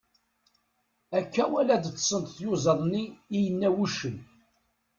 Akka wala ad ṭṭsent tyuzaḍ-nni, i yenna wuccen.